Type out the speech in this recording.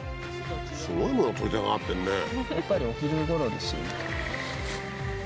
すごいもの撮りたがってるね。やっぱり。